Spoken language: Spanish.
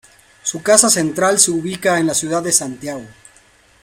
Su casa central se ubica en la ciudad de Santiago.